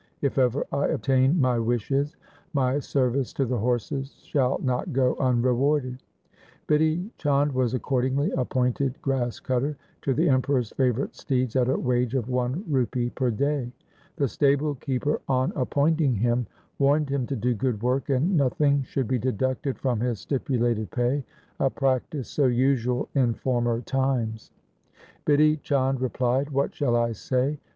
If ever I obtain my wishes, my service to the horses shall not go unrewarded.' Bidhi Chand was accordingly appointed grass cutter to the Emperor's favourite steeds at a wage of one rupee per day. The stable keeper on appointing him warned him to do good work and nothing should be deducted from his stipulated pay, a practice so usual in former times. Bidhi Chand replied, ' What shall I say